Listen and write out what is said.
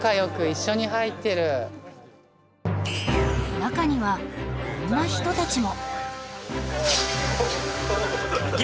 中にはこんな人たちも。